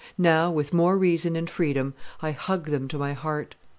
Now, with more reason and freedom, I hug them to my heart.